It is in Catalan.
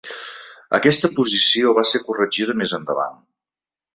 Aquesta posició va ser corregida més endavant.